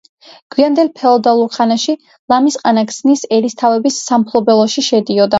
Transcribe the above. გვიანდელ ფეოდალურ ხანაში ლამისყანა ქსნის ერისთავების სამფლობელოში შედიოდა.